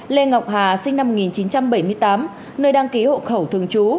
lê ngọc hà sinh năm một nghìn chín trăm bảy mươi tám nơi đăng ký hộ khẩu thường trú